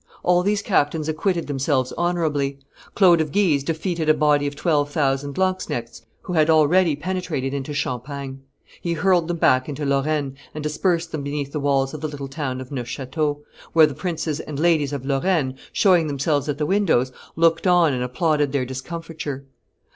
All these captains acquitted themselves honorably. Claude of Guise defeated a body of twelve thousand lanzknechts who had already penetrated into Champagne; he hurled them back into Lorraine, and dispersed them beneath the walls of the little town of Neufchateau, where the princesses and ladies of Lorraine, showing themselves at the windows, looked on and applauded their discomfiture.